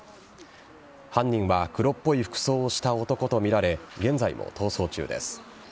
犯人は黒っぽい服装をした男とみられ現在も逃走中です。